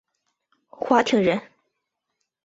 华亭人。